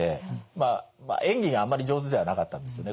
まあ演技があんまり上手ではなかったんですよね。